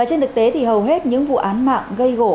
trên thực tế thì hầu hết những vụ án mạng gây gỗ